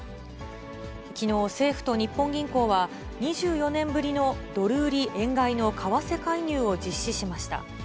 きのう、政府と日本銀行は、２４年ぶりのドル売り円買いの為替介入を実施しました。